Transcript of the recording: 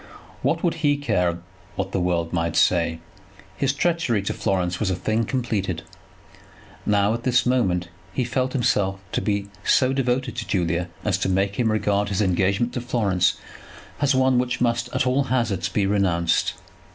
What would he care what the world might say? His treachery to Florence was a thing completed. Now, at this moment, he felt himself to be so devoted to Julia as to make him regard his engagement to Florence as one which must, at all hazards, be renounced.